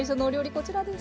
こちらです。